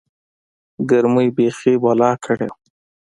گرمۍ بيخي بلا کړې وه.